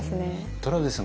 トラウデンさん